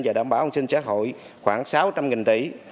và đảm bảo an sinh xã hội khoảng sáu trăm linh tỷ